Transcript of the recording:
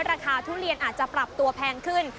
ทุเรียนอาจจะปรับตัวแพงขึ้น